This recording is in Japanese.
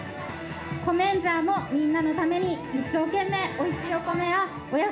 コメンジャーもみんなのために一生懸命おいしいお米やお野菜を作るそうです。